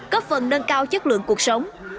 cấp phần nâng cao chất lượng cuộc sống